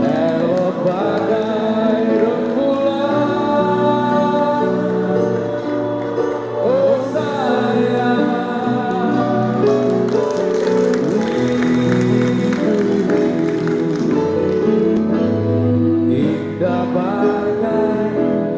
elok bagai rumpulan